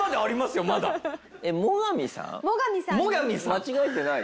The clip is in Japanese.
間違えてない？